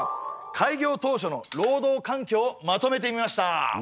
開業当初の労働環境をまとめてみました！